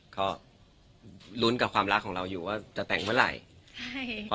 ก็ลุ้นกับความรักของเราอยู่ว่าจะแต่งเมื่อไหร่